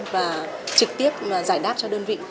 và trực tiếp giải đáp cho đơn vị